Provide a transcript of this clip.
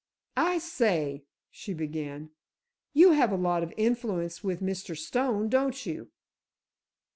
"I say," she began, "you have a lot of influence with your Mr. Stone, don't you?"